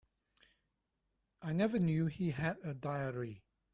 I never knew he had a diary.